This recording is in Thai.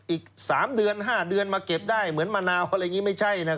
อีก๓เดือน๕เดือนมาเก็บได้เหมือนมะนาวอะไรอย่างนี้ไม่ใช่นะ